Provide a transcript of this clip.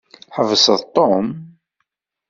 Tḥebseḍ Tom?